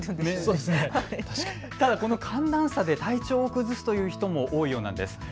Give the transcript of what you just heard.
ただこの寒暖差で体調を崩すという人も多いようなんです。